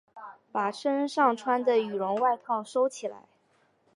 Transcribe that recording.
把身上穿的羽绒外套收起来